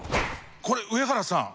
これ上原さん